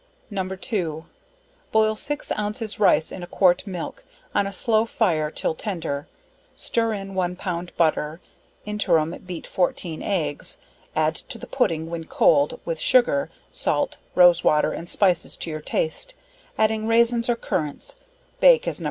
No. 2. Boil 6 ounces rice in a quart milk, on a slow fire 'till tender, stir in one pound butter, interim beet 14 eggs, add to the pudding when cold with sugar, salt, rose water and spices to your taste, adding raisins or currants, bake as No.